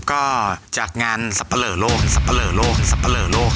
ก็จากงานสับปะเหลอโลกสับปะเหลอโลกสับปะเหลอโลก